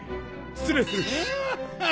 失礼する！